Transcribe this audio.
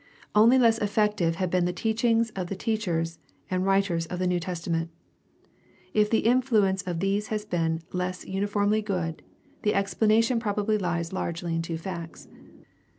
Only less effective have been the teachings of the teachers and writers of the New Testament. If the influence of these has been less uniformly good, the explanation probably lies largely in two facts.